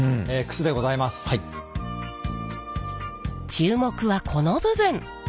注目はこの部分。